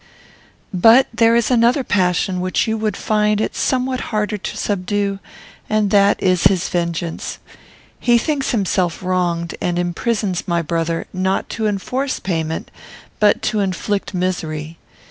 "But there is another passion which you would find it somewhat harder to subdue, and that is his vengeance. He thinks himself wronged, and imprisons my brother, not to enforce payment, but to inflict misery.